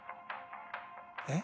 えっ？